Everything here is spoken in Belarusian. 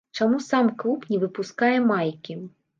Чаму сам клуб не выпускае майкі?